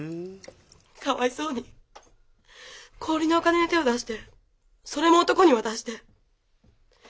かわいそうに高利のお金に手を出してそれも男に渡して。